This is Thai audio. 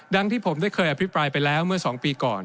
ที่ผมได้เคยอภิปรายไปแล้วเมื่อ๒ปีก่อน